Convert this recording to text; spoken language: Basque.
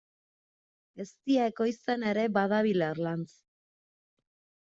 Eztia ekoizten ere badabil Erlanz.